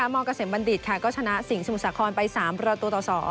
มเกษมบัณฑิตค่ะก็ชนะสิงห์สมุทรสาครไป๓ประตูต่อ๒